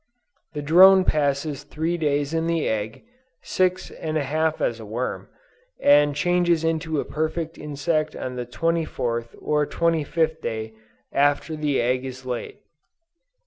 "The drone passes three days in the egg, six and a half as a worm, and changes into a perfect insect on the twenty fourth or twenty fifth day after the egg is laid."